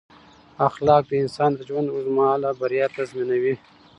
اخلاق د انسان د ژوند اوږد مهاله بریا تضمینوي.